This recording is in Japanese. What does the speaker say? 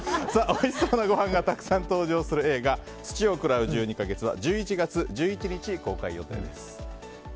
おいしそうなごはんがたくさん登場する映画「土を喰らう十二ヵ月」は１１月１１日公開予定です。